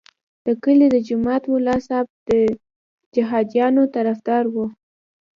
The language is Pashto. د کلي د جومات ملا صاحب د جهادیانو طرفدار وو.